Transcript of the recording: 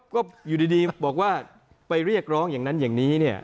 ก็อยู่ดีบอกว่าไปเรียกร้องอย่างนั้นอย่างนี้เนี่ย